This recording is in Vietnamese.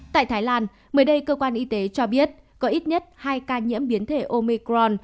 tại thái lan mới đây cơ quan y tế cho biết có ít nhất hai ca nhiễm biến thể omicron